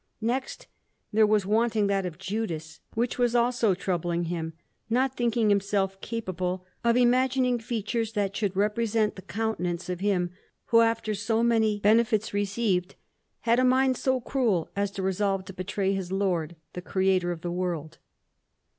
Next, there was wanting that of Judas, which was also troubling him, not thinking himself capable of imagining features that should represent the countenance of him who, after so many benefits received, had a mind so cruel as to resolve to betray his Lord, the Creator of the world.